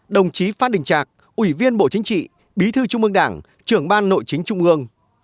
đồng chí phát đình trạc ủy viên bộ chính trị bí thư trung ương đảng trưởng ban nội chính trung ương